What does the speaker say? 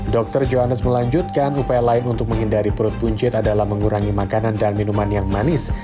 dr johannes melanjutkan upaya lain untuk menghindari perut buncit adalah mengurangi makanan dan minuman yang manis